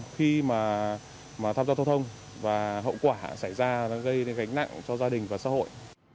khi mà tham gia giao thông và hậu quả xảy ra gây gánh nặng cho gia đình và xã hội